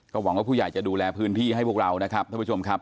หวังว่าผู้ใหญ่จะดูแลพื้นที่ให้พวกเรานะครับท่านผู้ชมครับ